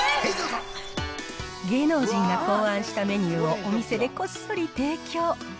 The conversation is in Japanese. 芸能人が考案したメニューをお店でこっそり提供。